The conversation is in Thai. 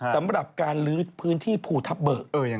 สำหรับการลื้อพื้นที่ภูทับเบิก